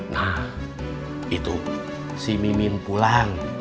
nah itu si mimin pulang